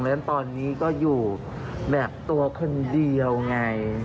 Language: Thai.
ฉะนั้นตอนนี้ก็อยู่แบบตัวคนเดียวไง